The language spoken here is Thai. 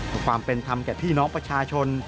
ความเป็นธรรมแก่พี่น้องประชาชน